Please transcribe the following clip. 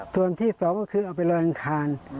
ส่วนที่สองก็คือเอาไปลอยอังคาร